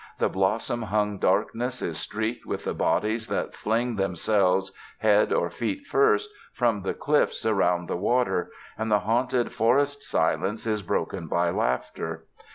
The blossom hung darkness is streaked with the bodies that fling themselves, head or feet first, from the cliffs around the water, and the haunted forest silence is broken by laughter.